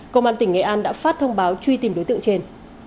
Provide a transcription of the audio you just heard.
công an tỉnh nghệ an đã phát thông báo truy tìm đối tượng trên